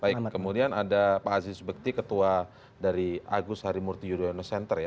baik kemudian ada pak aziz bekti ketua dari agus harimurti yudhoyono center ya